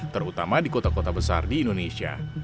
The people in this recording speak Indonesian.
terutama di kota kota besar di indonesia